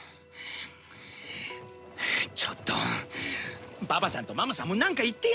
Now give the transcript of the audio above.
ちょっとパパさんとママさんもなんか言って。